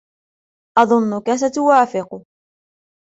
أظنك ستوافق.